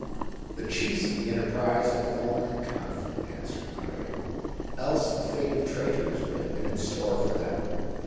"The chiefs of the enterprise have fallen in the conflict," answered Mario; "else the fate of traitors would have been in store for them.